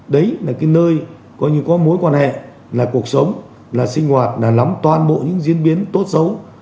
đấy là cái nơi coi như có mối quan hệ là cuộc sống là sinh hoạt là lắm toàn bộ những diễn biến tốt xấu